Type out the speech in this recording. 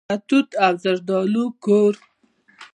د توت او زردالو کور.